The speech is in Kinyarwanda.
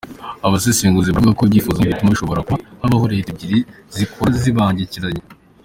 Abasesenguzi baravuga ko ibyifuzo nk'ibi bituma bishoboka ko habaho leta ebyiri zikora zibangikanye.